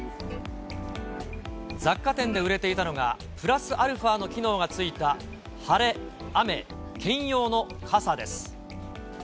雑貨店で売れていたのが、プラスアルファの機能がついた晴れ雨兼用の傘です。